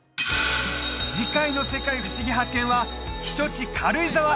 次回の「世界ふしぎ発見！」は避暑地軽井沢